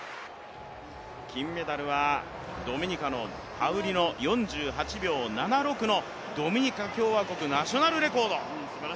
金メダルはドミニカのパウリノ、４８秒７６のドミニカ共和国ナショナルレコード。